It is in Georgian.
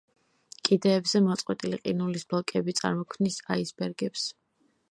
კიდეებზე მოწყვეტილი ყინულის ბლოკები წარმოქმნის აისბერგებს.